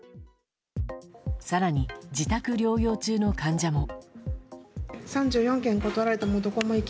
更に、自宅療養中の患者も。